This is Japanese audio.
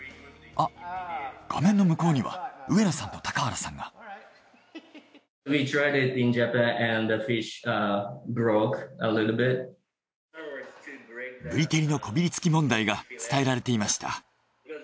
あっ画面の向こうには上野さんと高原さんが。ブリ照りのこびりつき問題が伝えられていました。